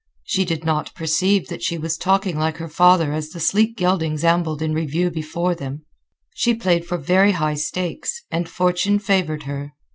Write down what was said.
She did not perceive that she was talking like her father as the sleek geldings ambled in review before them. She played for very high stakes, and fortune favored her.